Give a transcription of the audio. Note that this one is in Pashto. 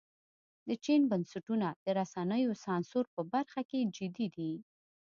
د چین بنسټونه د رسنیو سانسور په برخه کې جدي دي.